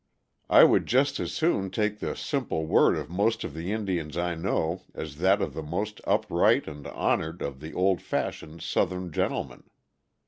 I would just as soon take the simple word of most of the Indians I know as that of the most upright and honored of the old fashioned Southern gentlemen.